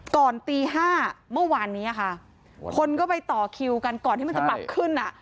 ก่อนตี๕เมื่อวานนี้ค่ะคนก็ไปต่อคิวกันก่อนที่มันจะปรับขึ้นอ่ะ